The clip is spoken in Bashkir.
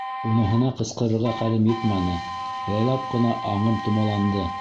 Уныһына ҡысҡырырға хәлем етмәне, яйлап ҡына аңым томаланды.